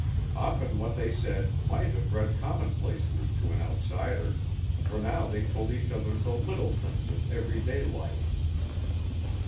Often what they said might have read commonplacely to an outsider, for now they told each other the little things of every day life.